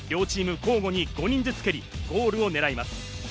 両チーム交互に５人ずつ蹴り、ゴールを狙います。